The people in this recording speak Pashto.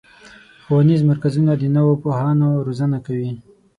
ښوونیز مرکزونه د نوو پوهانو روزنه کوي.